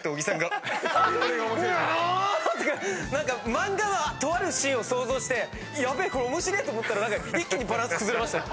漫画のとあるシーンを想像して面白えと思ったら一気にバランス崩れました。